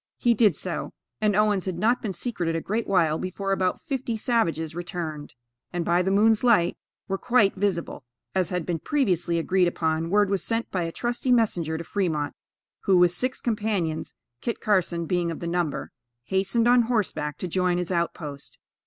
He did so; and Owens had not been secreted a great while before about fifty savages returned, and, by the moon's light, were quite visible. As had been previously agreed upon, word was sent by a trusty messenger to Fremont, who, with six companions, Kit Carson being of the number, hastened on horseback to join his outpost.